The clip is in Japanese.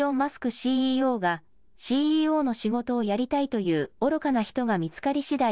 ＣＥＯがＣＥＯの仕事をやりたいという愚かな人が見つかりしだい